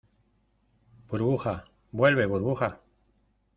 ¡ burbuja, vuelve! ¡ burbuja !